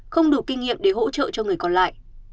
không đủ kinh nghiệm để hỗ trợ cho người còn lại